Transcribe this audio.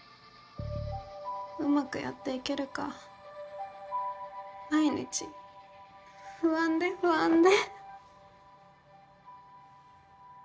うまくやっていけるか毎日不安で不安で。